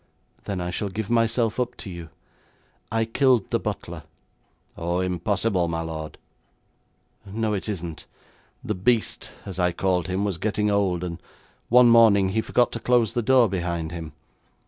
'Then I shall give myself up to you. I killed the butler.' 'Oh, impossible, my lord!' 'No, it isn't. The beast, as I called him, was getting old, and one morning he forgot to close the door behind him.